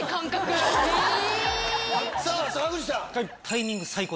さぁ坂口さん。